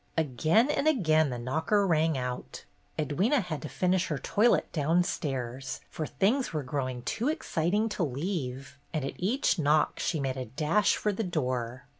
Again and again the knocker rang out. Ed wyna had to finish her toilet downstairs, for things were growing too exciting to leave, and at each knock she made a dash for the door.